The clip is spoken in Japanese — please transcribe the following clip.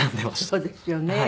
そうですよね。